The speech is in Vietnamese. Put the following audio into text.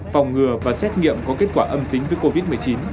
phòng ngừa và xét nghiệm có kết quả âm tính với covid một mươi chín